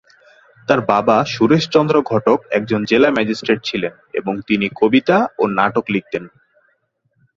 তার বাবা সুরেশ চন্দ্র ঘটক একজন জেলা ম্যাজিস্ট্রেট ছিলেন এবং তিনি কবিতা ও নাটক লিখতেন।